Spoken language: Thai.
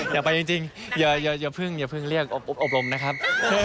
อย่าเพิ่งเรียกอบรมนะครับ